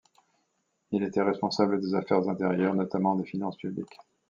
Il était responsable des affaires intérieures, notamment des finances publiques.